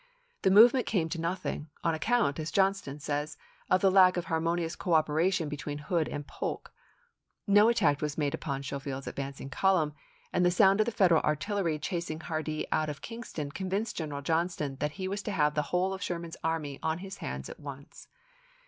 The movement came to nothing, on account, as Johnston says, of the lack of harmonious cooperation between Hood and Polk. No attack was made upon Schofield's ad vancing column, and the sound of the Federal artil lery chasing Hardee out of Kingston convinced General Johnston that he was to have the whole of Sherman's army on his hands at once.